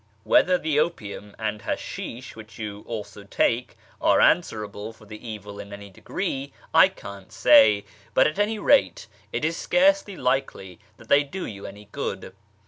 Whether the opium and hashish which you also take are answerable for the FROM ISFAHAN TO SHIRAZ 235 evil in any degree I can't say, but at any rate it is scarcely likely that they do you any good.